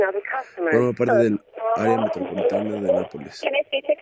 Forma parte del área metropolitana de Nápoles.